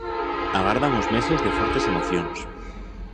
Agardan uns meses de fortes emocións.